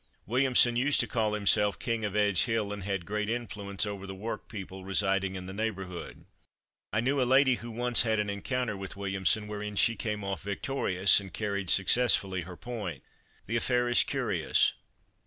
Williamson used to call himself "King of Edge hill," and had great influence over the work people residing in the neighbourhood. I knew a lady who once had an encounter with Williamson wherein she came off victorious, and carried successfully her point. The affair is curious.